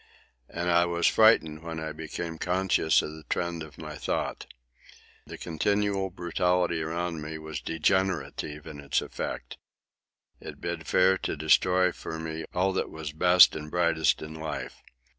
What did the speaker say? And I was frightened when I became conscious of the trend of my thought. The continual brutality around me was degenerative in its effect. It bid fair to destroy for me all that was best and brightest in life.